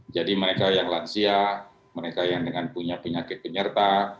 jadi mereka yang lansia mereka yang dengan punya penyakit penyerta